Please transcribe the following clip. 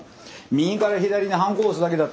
右から左にハンコ押すだけだったらね